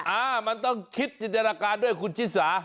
อ่ามันต้องคิดจินตนาการด้วยคุณชิสา